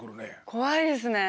怖いですね。